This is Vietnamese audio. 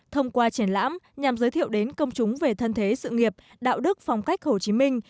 thông qua triển lãm nhằm giới thiệu đến công chúng về thân thế sự nghiệp đạo đức phong cách hồ chí minh